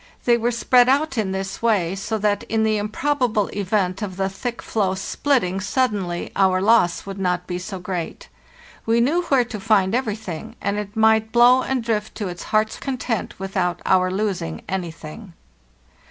They were spread out in this way, so that in the improbable event of the thick floe splitting suddenly our loss would not be so great. We knew where to find everything, and it might blow and drift to its heart's con tent without our losing anything.